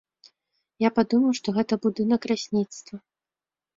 Я падумаў, што гэта будынак лясніцтва.